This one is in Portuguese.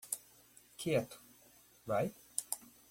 Quieto, vai?